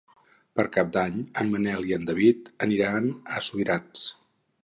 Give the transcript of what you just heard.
Per Cap d'Any en Manel i en David aniran a Subirats.